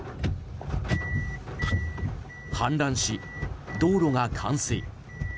氾濫し道路が冠水。